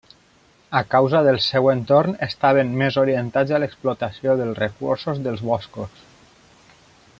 A causa del seu entorn estaven més orientats a l'explotació dels recursos dels boscos.